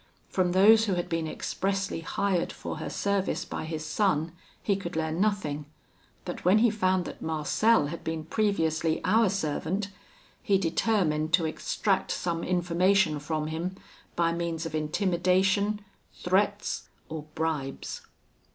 From those who had been expressly hired for her service by his son, he could learn nothing; but when he found that Marcel had been previously our servant, he determined to extract some information from him, by means of intimidation, threats, or bribes.